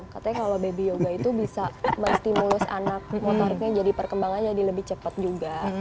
katanya kalau baby yoga itu bisa menstimulus anak motoriknya jadi perkembangan jadi lebih cepat juga